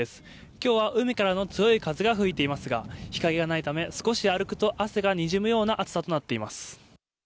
きょうは海からの強い風が吹いていますが、日陰がないため、少し歩くと汗がにじむような暑さとなっています。